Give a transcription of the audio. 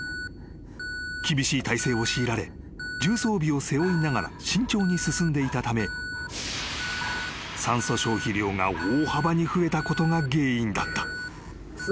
［厳しい体勢を強いられ重装備を背負いながら慎重に進んでいたため酸素消費量が大幅に増えたことが原因だった］